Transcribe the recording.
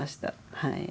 はい。